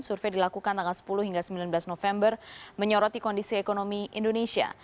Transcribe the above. survei dilakukan tanggal sepuluh hingga sembilan belas november menyoroti kondisi ekonomi indonesia